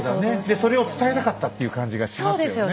それを伝えたかったっていう感じがしますよね。